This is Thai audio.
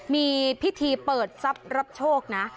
มีพิธีเปิดทรัพย์รับโชคนะ